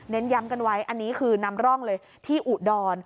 ย้ำกันไว้อันนี้คือนำร่องเลยที่อุดร